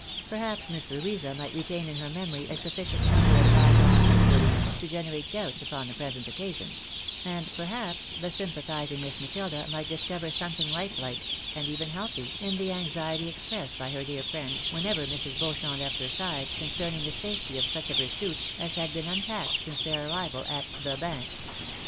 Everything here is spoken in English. Perhaps Miss Louisa might retain in her memory a sufficient number of by gone make believes, to generate doubts upon the present occasion; and perhaps the sympathising Miss Matilda might discover some thing life like, and even healthy, in the anxiety expressed by her dear friend, whenever Mrs. Beauchamp left her side, concerning the safety of such of her suits as had been unpacked since their arrival at " the Bank."